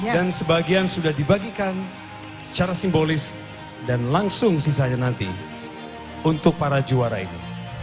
dan sebagian sudah dibagikan secara simbolis dan langsung sisanya nanti untuk para juara ini